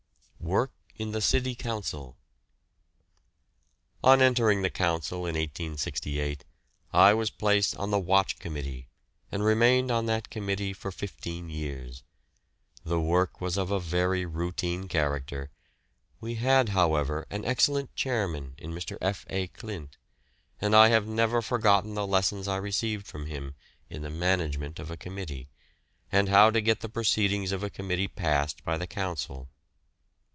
WORK IN THE CITY COUNCIL. On entering the Council in 1868 I was placed upon the Watch Committee, and remained on that committee for fifteen years. The work was of a very routine character; we had, however, an excellent chairman in Mr. F. A. Clint, and I have never forgotten the lessons I received from him in the management of a committee, and how to get the proceedings of a committee passed by the Council.